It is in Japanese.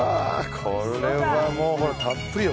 これはもう、たっぷりよ